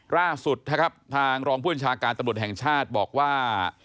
ล่าสุดทางรองพุทธชาการตำรวจแห่งชาติบอกว่า